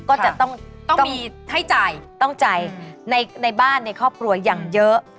ก็จะต้องมีให้จ่ายต้องจ่ายในบ้านในครอบครัวอย่างเยอะ